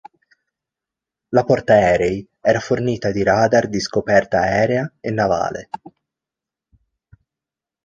La portaerei era fornita di radar di scoperta aerea e navale.